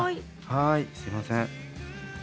はいすいません。